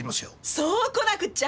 そうこなくっちゃ！